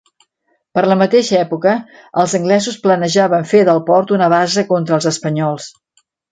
Per la mateixa època, els anglesos planejaven fer del port una base contra els espanyols.